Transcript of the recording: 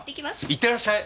いってらっしゃい。